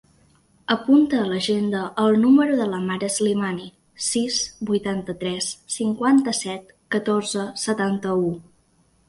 Apunta a l'agenda el número de la Mara Slimani: sis, vuitanta-tres, cinquanta-set, catorze, setanta-u.